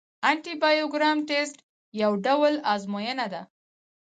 انټي بایوګرام ټسټ یو ډول ازموینه ده.